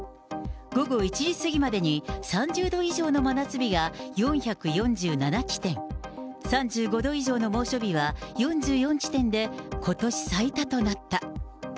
午後１時過ぎまでに３０度以上の真夏日が４４７地点、３５度以上の猛暑日は４４地点で、ことし最多となった。